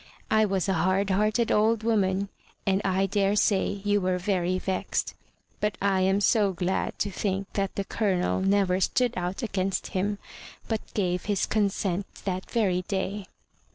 , I was a hard hearted old woman, and I daresay you were very vexed ; but I am so glad to think that the Colonel never stood out against him, but gave his consent that very day."